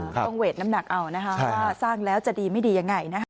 ต้องเวทน้ำหนักเอานะคะสร้างแล้วจะดีไม่ดียังไง